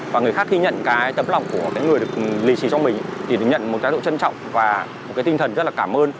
và người khác ghi nhận cái tấm lòng của cái người được lì xì trong mình thì nhận một cái độ trân trọng và một cái tinh thần rất là cảm ơn